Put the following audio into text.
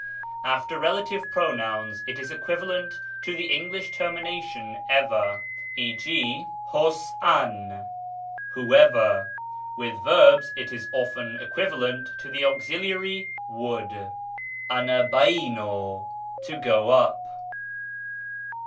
After rela tive pronouns it is equivalent to the English termination ever, 6. g. ὃς ἂν, whoever : with verbs, it is often equivalent to the auxiliary would. ἀναβαίνω, to go up.